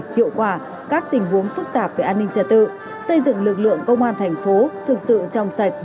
hiệu quả các tình huống phức tạp về an ninh trật tự xây dựng lực lượng công an thành phố thực sự trong sạch